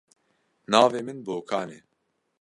Navê min Bokan e.